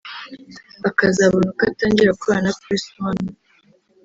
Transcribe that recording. akazabona uko atangira gukorana na PressOne